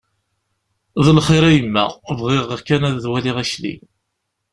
D lxir a yemma, bɣiɣ kan ad waliɣ Akli.